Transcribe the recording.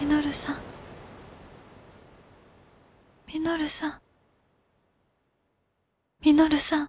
稔さん。